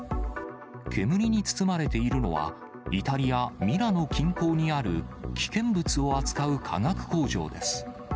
煙に包まれているのは、イタリア・ミラノ近郊にある危険物を扱う化学工場です。